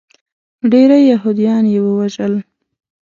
ډیری یهودیان یې ووژل.